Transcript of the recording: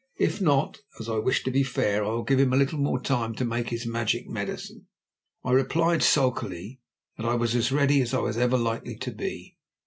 If not, as I wish to be fair, I will give him a little more time to make his magic medicine." I replied sulkily that I was as ready as I was ever likely to be.